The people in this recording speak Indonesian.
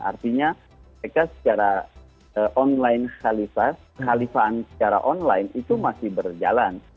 artinya mereka secara online khalifah khalifahan secara online itu masih berjalan